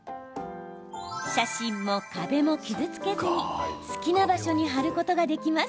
写真も壁も傷つけずに好きな場所に貼ることができます。